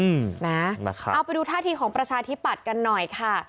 นะครับเอาไปดูท่าทีของประชาธิปัตย์กันหน่อยค่ะ